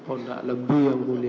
oh enggak lebih yang mulia